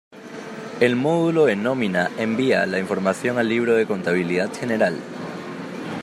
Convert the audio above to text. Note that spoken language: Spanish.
El módulo de nómina envía la información al libro de contabilidad general.